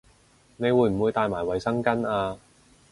你會唔會帶埋衛生巾吖